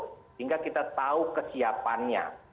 sehingga kita tahu kesiapannya